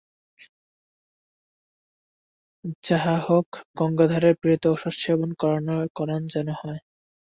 যাহা হউক, গঙ্গাধরের প্রেরিত ঔষধ সেবন করান যেন হয়।